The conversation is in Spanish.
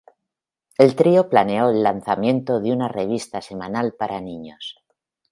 El trío planeó el lanzamiento de una revista semanal para niños.